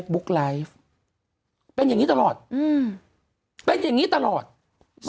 คุณหนุ่มกัญชัยได้เล่าใหญ่ใจความไปสักส่วนใหญ่แล้ว